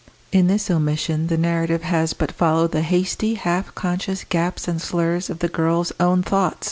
In this omission the narrative has but followed the hasty, half conscious gaps and slurs of the girl's own thought.